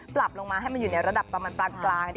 ปรับลงมาให้มันอยู่ในระดับประมาณปานกลาง